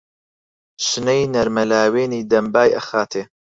شنەی نەرمە لاوێنی دەم بای ئەخاتێ.